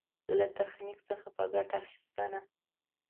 له تخنيک څخه په ګټه اخېستنه.